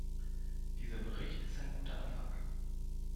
Dieser Bericht ist ein guter Anfang.